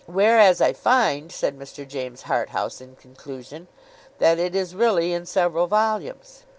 Whereas I find,' said Mr. James Harthouse, in conclusion, 'that it is really in several volumes.